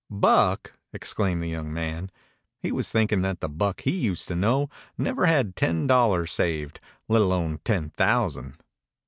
"Buck!" exclaimed the young man. He was thinking that the Buck he used to know never had ten dollars saved, let alone ten thousand.